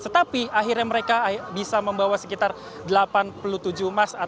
tetapi akhirnya mereka bisa membawa sekitar delapan puluh tujuh emas